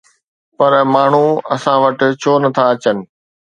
پر ماڻهو اسان وٽ ڇو نٿا اچن؟